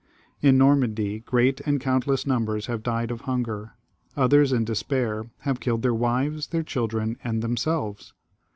In Normandy, great and countless numbers have died of hunger ; others, in despair, have killed their wives, their children, and themselves.